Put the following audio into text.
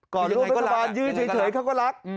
ก่อนร่วมรัฐบาลยื้อเฉยเฉยเขาก็รัก